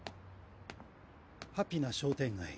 ハピナ商店街。